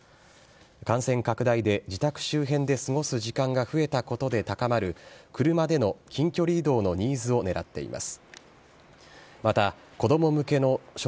感染拡大で自宅周辺で過ごす時間が増えたことで高まる車での近距離移動のニーズをねらっています。